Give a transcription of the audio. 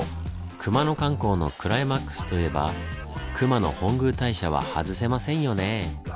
熊野観光のクライマックスといえば熊野本宮大社は外せませんよねぇ。